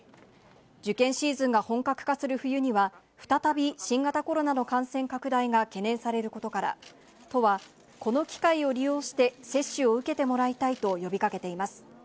受験シーズンが本格化する冬には、再び新型コロナの感染拡大が懸念されることから、都は、この機会を利用して、接種を受けてもらいたいと呼びかけています。